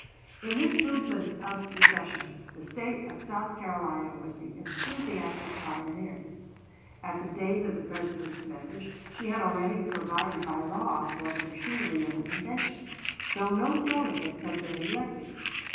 In this movement of secession the State of South Carolina was the enthusiastic pioneer. At the date of the President's message she had already provided by law for the machinery of a convention, though no delegates had been elected.